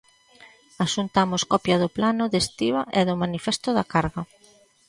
Axuntamos copia do plano de estiba e do manifesto da carga.